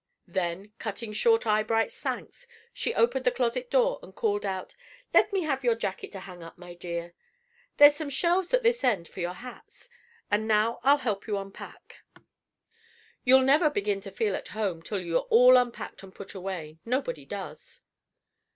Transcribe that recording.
Then, cutting short Eyebright's thanks, she opened the closet door and called out: "Let me have your jacket to hang up, my dear. There's some shelves at this end for your hats. And now I'll help you unpack. You'll never begin to feel at home till you're all unpacked and put away. Nobody does."